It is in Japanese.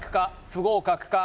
不合格か？